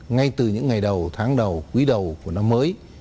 ngay từ những ngày đầu tháng đầu quý đầu của năm mới